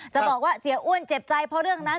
จะบอกว่าเสียอ้วนเจ็บใจเพราะเรื่องนั้น